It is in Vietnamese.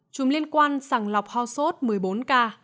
chùm liên quan sàng lọc hòa sốt một mươi bốn ca